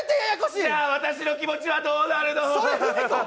じゃあ、私の気持ちはどうなるの。